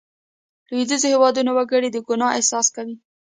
لوېدیځو هېوادونو وګړي د ګناه احساس کوي.